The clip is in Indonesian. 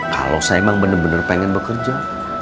kalau saya emang bener bener pengen bekerja